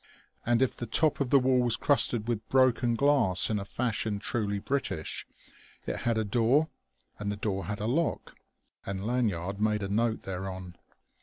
And if the top of the wall was crusted with broken glass in a fashion truly British, it had a door, and the door a lock. And Lanyard made a note thereon.